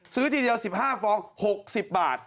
ทีเดียว๑๕ฟอง๖๐บาท